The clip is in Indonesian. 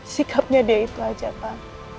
sikapnya dia itu aja kan